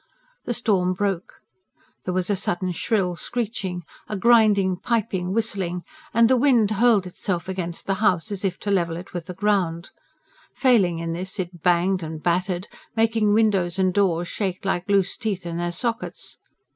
The storm broke; there was a sudden shrill screeching, a grinding, piping, whistling, and the wind hurled itself against the house as if to level it with the ground; failing in this, it banged and battered, making windows and doors shake like loose teeth in their sockets.